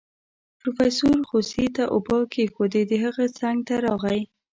پروفيسر خوسي ته اوبه کېښودې د هغه څنګ ته راغی.